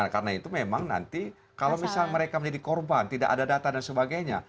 karena itu memang nanti kalau misalnya mereka menjadi korban tidak ada data dan sebagainya